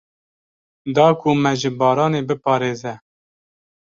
Da ku me ji baranê biparêze.